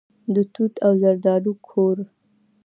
د توت او زردالو کور.